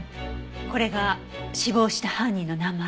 これが死亡した犯人の名前。